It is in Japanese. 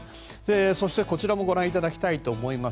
そして、こちらもご覧いただきたいと思います。